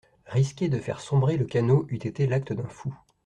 Risquer de faire sombrer le canot eût été l'acte d'un fou.